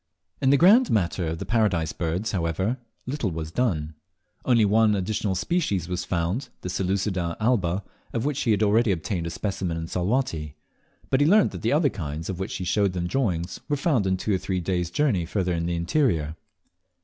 In the grand matter of the Paradise Birds, however, little was done. Only one additional species was found, the Seleucides alba, of which he had already obtained a specimen in Salwatty; but he learnt that the other kinds' of which he showed them drawings, were found two or three days' journey farther in the interior.